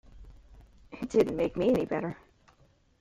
It didn't make me any better.